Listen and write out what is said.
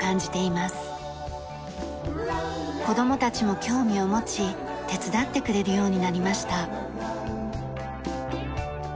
子供たちも興味を持ち手伝ってくれるようになりました。